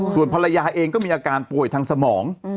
ส่วนภรรยาเองก็มีอาการป่วยทางสมอง